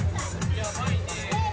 やばいねぇ。